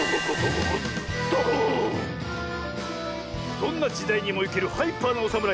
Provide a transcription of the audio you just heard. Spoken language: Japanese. どんなじだいにもいけるハイパーなおさむらい